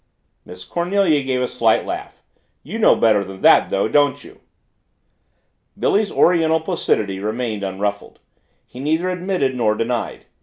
Miss Cornelia gave a slight laugh. "You know better than that, though, don't you?" Billy's Oriental placidity remained unruffled. He neither admitted nor denied.